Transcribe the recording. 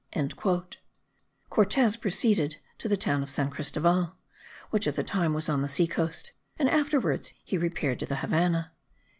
[Cortes proceeded to the town of San Cristoval, which at that time was on the sea coast, and afterwards he repaired to the Havannah.